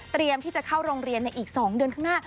ที่จะเข้าโรงเรียนในอีก๒เดือนข้างหน้า